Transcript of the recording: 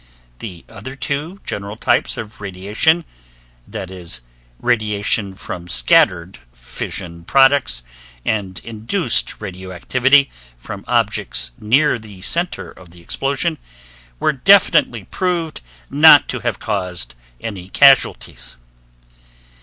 The other two general types of radiation, viz., radiation from scattered fission products and induced radioactivity from objects near the center of explosion, were definitely proved not to have caused any casualties.